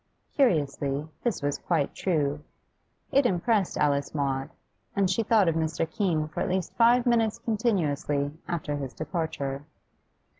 Curiously, this was quite true. It impressed Alice Maud, and she thought of Mr. Keene for at least five minutes continuously after his departure.